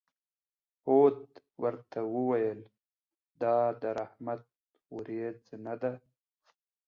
هود ورته وویل: دا د رحمت ورېځ نه ده.